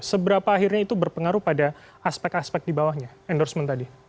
seberapa akhirnya itu berpengaruh pada aspek aspek di bawahnya endorsement tadi